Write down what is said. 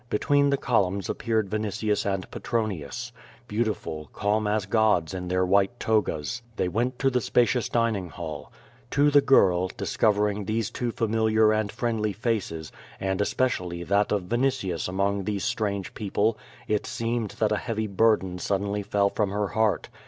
Between the columns appeared Yinitius and Petronius. Beautiful, calm as gods in their white togas, they went to the spacious dining hall. To the girl, discovering these twofamil iar and friendly faces, and especially that of Yinitius among these strange people, it seemed that a heavy burden suddenly fell from her heart.